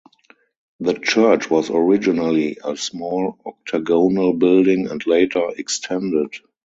The church was originally a small octagonal building and later extended.